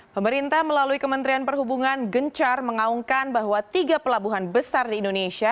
pemerintah melalui kementerian perhubungan gencar mengaungkan bahwa tiga pelabuhan besar di indonesia